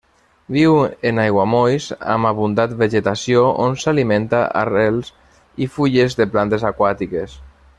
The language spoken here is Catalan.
Viu en aiguamolls amb abundant vegetació on s'alimenta arrels i fulles de plantes aquàtiques.